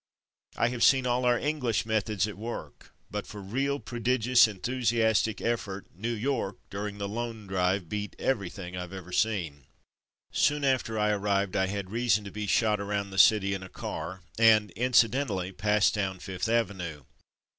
I have seen all our English methods at work; but for real, prodigious, 302 From Mud to Mufti enthusiastic effort New York, during the Loan drive, beat everything Fve ever seen. Soon after I arrived I had reason to be shot around the city in a car and, incident ally, passed down Fifth Avenue.